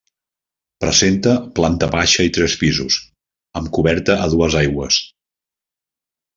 Presenta planta baixa i tres pisos, amb coberta a dues aigües.